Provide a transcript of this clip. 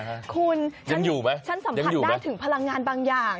คุณฉันอยู่ไหมฉันสัมผัสได้ถึงพลังงานบางอย่าง